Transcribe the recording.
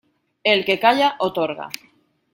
El que calla, otorga.